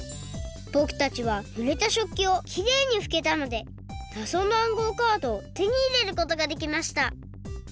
ぼくたちはぬれた食器をきれいにふけたのでなぞの暗号カードをてにいれることができました！